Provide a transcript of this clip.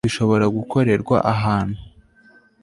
bishobora gukorerwa ahantu